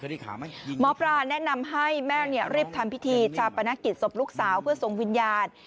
หมอปลาแนะนำให้แม่เนี่ยรีบทำพิธีชาปนกิจศพลูกสาวเพื่อส่งวิญญาณ